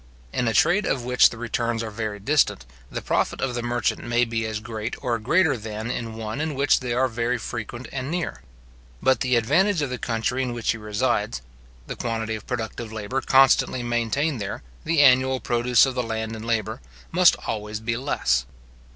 In a trade of which the returns are very distant, the profit of the merchant may be as great or greater than in one in which they are very frequent and near; but the advantage of the country in which he resides, the quantity of productive labour constantly maintained there, the annual produce of the land and labour, must always be much less.